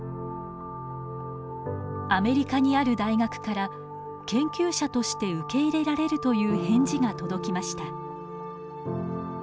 アメリカにある大学から研究者として受け入れられるという返事が届きました。